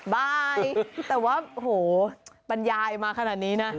บ๊ายแต่ว่าโหปัญญามาขนาดนี้นะ